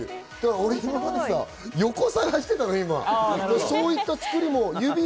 俺、今までさ、横を探していたの。